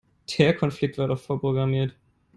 Der Konflikt war doch vorprogrammiert.